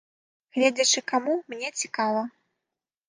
Гледзячы каму, мне цікава.